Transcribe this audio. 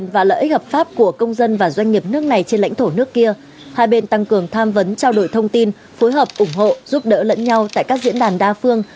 và doanh nghiệp nước này trên lãnh thổ nước kia hai bên tăng cường tham vấn trao đổi thông tin phối hợp ủng hộ giúp đỡ lẫn nhau tại các diễn đàn đa phương